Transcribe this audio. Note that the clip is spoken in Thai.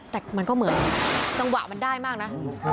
แต่มันก็เหมือนจังหวะมันได้มากนะ